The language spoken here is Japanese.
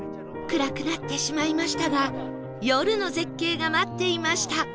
暗くなってしまいましたが夜の絶景が待っていました